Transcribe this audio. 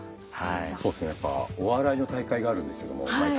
そうですねやっぱお笑いの大会があるんですけども毎年。